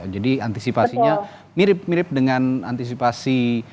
jadi antisipasinya mirip mirip dengan antisipasi